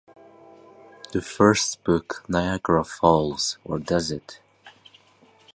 The first book, Niagara Falls, or Does It?